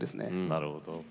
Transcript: なるほど。